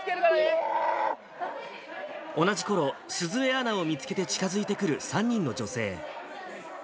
同じころ、鈴江アナを見つけて近づいてくる３人の女性。